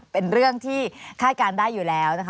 เป็นเรื่องที่คาดการณ์ได้อยู่แล้วนะคะ